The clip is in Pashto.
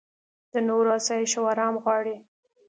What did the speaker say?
د نورو اسایش او ارام غواړې.